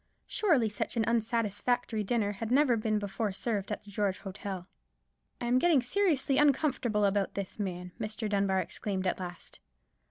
Surely such an unsatisfactory dinner had never before been served at the George Hotel. "I am getting seriously uncomfortable about this man," Mr. Dunbar exclaimed at last.